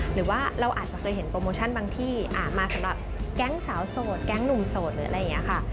หรือว่าเราอาจจะเคยเห็นโปรโมชั่นบางที่มาสำหรับแก๊งสาวโสดแก๊งหนุ่มโสดหรืออะไรอย่างนี้ค่ะ